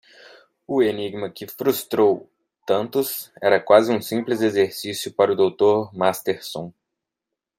O enigma que frustrou tantos era quase um simples exercício para o dr. Masterson.